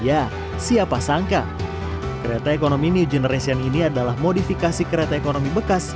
ya siapa sangka kereta ekonomi new generation ini adalah modifikasi kereta ekonomi bekas